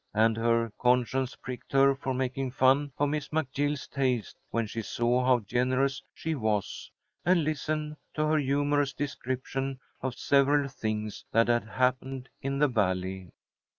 And her conscience pricked her for making fun of Miss McGill's taste when she saw how generous she was, and listened to her humourous description of several things that had happened in the Valley.